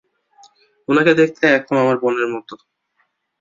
ওনাকে দেখতে একদম আমার বোনের মতো।